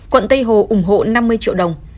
quận tây hồ ủng hộ năm mươi triệu đồng